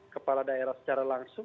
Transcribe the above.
kepala daerah secara langsung